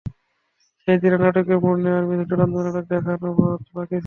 শেষ দিনে নাটকীয় মোড় নেওয়া ম্যাচের চূড়ান্ত নাটক তখনো বাকি ছিল।